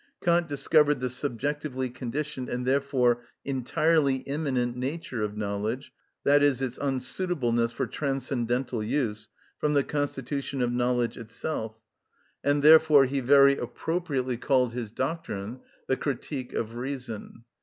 Kant discovered the subjectively conditioned and therefore entirely immanent nature of knowledge, i.e., its unsuitableness for transcendental use, from the constitution of knowledge itself; and therefore he very appropriately called his doctrine the Critique of Reason.